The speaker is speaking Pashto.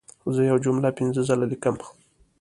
زه یوه جمله پنځه ځله لیکم.